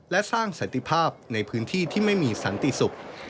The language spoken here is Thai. และสร้างสันติภาพในพื้นที่ที่ไม่มีสันติสุข